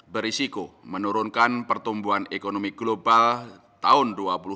berisiko menurunkan pertumbuhan ekonomi global tahun dua ribu dua puluh dua